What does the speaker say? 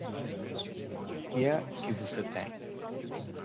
Que é que você tem?